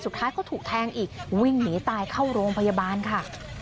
สุดท้ายเขาถูกแทงอีกวิ่งหนีตายเข้าโรงพยาบาลค่ะ